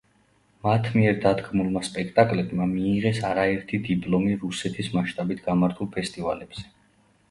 მათ მიერ დადგმულმა სპექტაკლებმა მიიღეს არაერთი დიპლომი რუსეთის მასშტაბით გამართულ ფესტივალებზე.